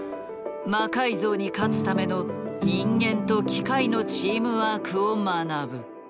「魔改造」に勝つための人間と機械のチームワークを学ぶ。